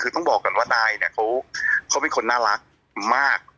คือต้องบอกก่อนว่านายเนี่ยเขาเป็นคนน่ารักมาก